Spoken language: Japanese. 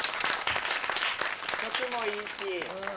曲もいいし。